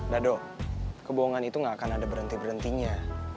dado kebohongan itu gak akan ada berhenti berhentinya